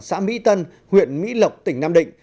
xã mỹ tân huyện mỹ lộc tỉnh nam định